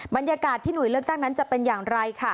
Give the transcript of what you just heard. บรรยากาศที่หน่วยเลือกตั้งนั้นจะเป็นอย่างไรค่ะ